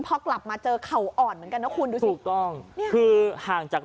ปลอกหลับมาเจอเขาอ่อนเหมือนกันนะคุณ